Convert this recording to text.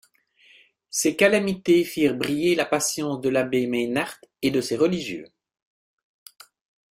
Ces calamités firent briller la patience de l’abbé Maynard et de ses religieux.